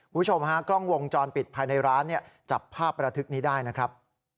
คุณผู้ชมฮะกล้องวงจรปิดภายในร้านเนี่ยจับภาพระทึกนี้ได้นะครับ